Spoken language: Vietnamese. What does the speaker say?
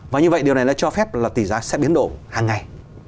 và như vậy điều này nó cho phép là tỉ giá sẽ biến độ hàng ngày